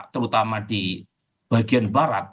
terutama di bagian barat